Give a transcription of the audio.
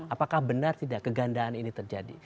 apakah benar tidak kegandaan ini terjadi